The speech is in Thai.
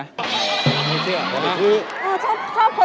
ไม่เชื่อไม่เชื่อ